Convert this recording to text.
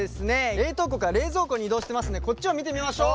冷凍庫から冷蔵庫に移動してますんでこっちを見てみましょう。